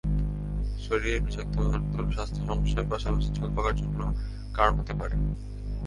শরীরের বিষাক্ত পদার্থ স্বাস্থ্য সমস্যার পাশাপাশি চুল পাকার জন্য কারণ হতে পারে।